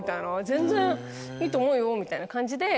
全然いいと思うよ」みたいな感じで。